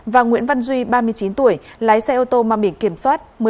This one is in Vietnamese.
và nguyễn văn duy ba mươi chín tuổi lái xe ô tô mang biển kiểm soát